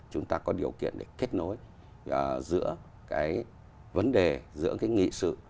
chúng ta có điều kiện để kết nối giữa cái vấn đề giữa cái nghị sự